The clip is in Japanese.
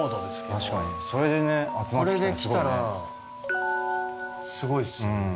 確かにそれでね集まって来たらすごいね。